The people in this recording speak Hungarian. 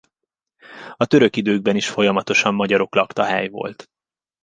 A török időkben is folyamatosan magyarok lakta hely volt.